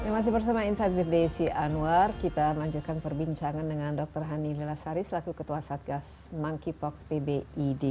masih bersama insight with desi anwar kita melanjutkan perbincangan dengan dr hani lelasari selaku ketua satgas monkeypox pbid